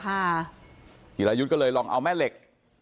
จิรายุทธ์ก็เลยลองเอาแม่เหล็ก